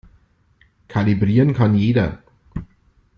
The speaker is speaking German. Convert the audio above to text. Kalibrieren kann jeder.